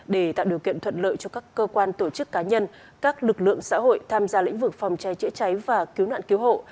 để tạo điều kiện thuận lợi cho các cơ quan tổ chức cá nhân các lực lượng xã hội tham gia lĩnh vực phòng cháy chữa cháy và cứu nạn cứu hộ